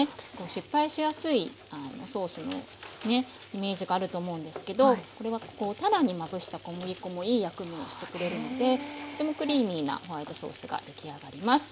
失敗しやすいソースのねイメージがあると思うんですけどこれはたらにまぶした小麦粉もいい役目をしてくれるのでとてもクリーミーなホワイトソースが出来上がります。